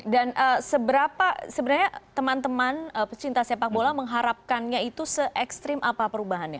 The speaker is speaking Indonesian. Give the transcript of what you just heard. dan seberapa sebenarnya teman teman peserta sepak bola mengharapkannya itu se ekstrim apa perubahannya